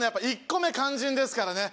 １個目肝心ですからね